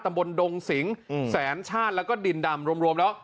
บนดงสิงแสนชาติแล้วก็ดินดำรวมแล้ว